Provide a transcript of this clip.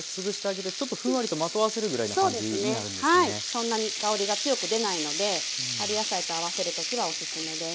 そんなに香りが強く出ないので春野菜と合わせる時はおすすめです。